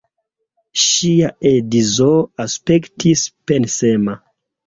Ŝia edzo aspektis pensema.